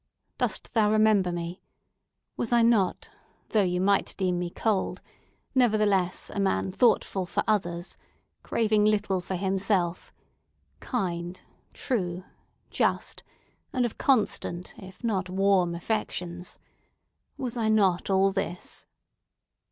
Dost thou remember me? Was I not, though you might deem me cold, nevertheless a man thoughtful for others, craving little for himself—kind, true, just and of constant, if not warm affections? Was I not all this?"